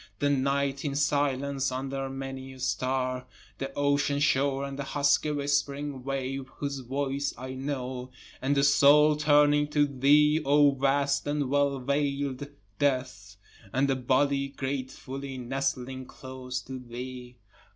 The night in silence under many a star, The ocean shore and the husky whispering wave whose voice I know, And the soul turning to thee O vast and well veil'd death, And the body gratefully nestling close to thee.